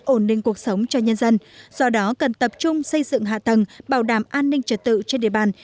ổn định cuộc sống cho nhân dân do đó cần tập trung xây dựng hạ tầng bảo đảm an ninh trật tự trên địa bàn